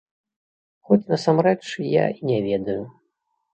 Хоць насамрэч я і не ведаю.